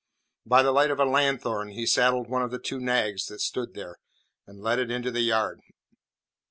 By the light of a lanthorn he saddled one of the two nags that stood there, and led it into the yard.